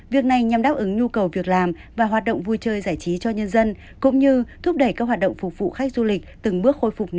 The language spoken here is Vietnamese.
việc này nhằm đáp ứng nhu cầu việc làm và hoạt động vui chơi giải trí cho nhân dân cũng như thúc đẩy các hoạt động phục vụ khách du lịch từng bước khôi phục nghề